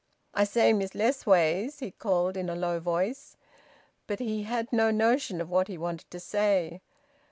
"I say, Miss Lessways!" he called in a low voice. But he had no notion of what he wanted to say.